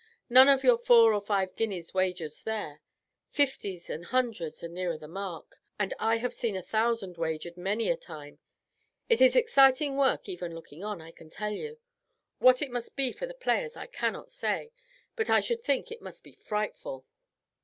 "None of your four or five guineas wagers there, fifties and hundreds are nearer the mark, and I have seen a thousand wagered many a time. It is exciting work even looking on, I can tell you; what it must be for the players I cannot say, but I should think it must be frightful."